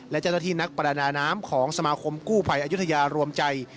และเจ้าทธินักปรดานามของสมาคมกู้ภัยอยุธิยารวมใจ